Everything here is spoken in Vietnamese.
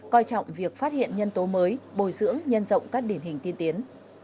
coi trọng việc phát hiện nhân tố mới bồi dưỡng nhân rộng các điển hình tiên tiến